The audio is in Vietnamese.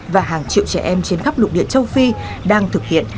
và hàng triệu trẻ em trên khắp lục địa châu phi đang thực hiện